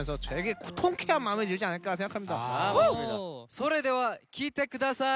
それでは聴いてください。